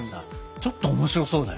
ちょっと面白そうだよね。